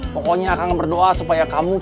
pokoknya akan berdoa supaya kamu